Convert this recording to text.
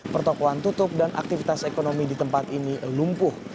pertokohan tutup dan aktivitas ekonomi di tempat ini lumpuh